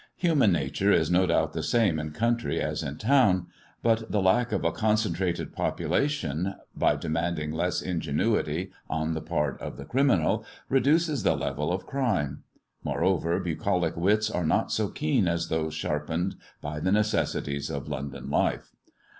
Human nature is no doubt the same in country as in town ; but the lack of a concentrated population, by demanding less ingenuity on the part of the criminal, reduces the level of crime. Moreover bucolic wits are not so keen as those sharpened by the necessities of London life.